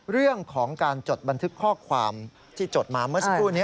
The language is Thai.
เรื่องของการจดบันทึกข้อความที่จดมาเมื่อสักครู่นี้